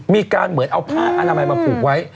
มีการเหมือนเอาผ้าอนามัยมาผูกไว้